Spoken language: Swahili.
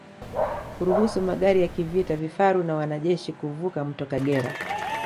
Kuruhusu magari ya kivita vifaru na wanajeshi kuvuka mto Kagera